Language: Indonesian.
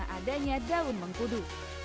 adanya daun mengkudu